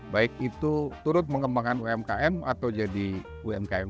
baik itu turut mengembangkan umkm atau jadi umkm